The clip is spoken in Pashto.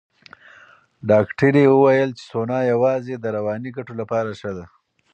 ډاکټره وویل چې سونا یوازې د رواني ګټو لپاره ښه ده.